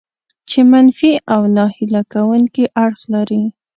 چې منفي او ناهیله کوونکي اړخ لري.